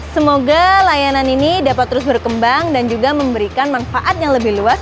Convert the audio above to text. semoga layanan ini dapat terus berkembang dan juga memberikan manfaat yang lebih luas